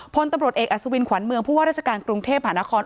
พลตำรวจเอกอัศวินขวัญเมืองผู้ว่าราชการกรุงเทพหานคร